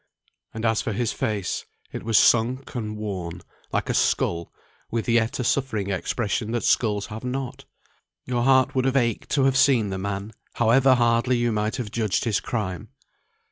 And as for his face, it was sunk and worn, like a skull, with yet a suffering expression that skulls have not! Your heart would have ached to have seen the man, however hardly you might have judged his crime.